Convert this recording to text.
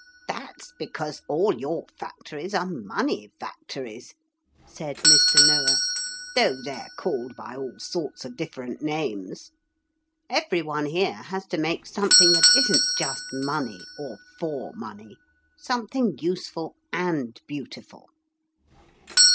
'That's because all your factories are money factories,' said Mr. Noah, 'though they're called by all sorts of different names. Every one here has to make something that isn't just money or for money something useful and beautiful.'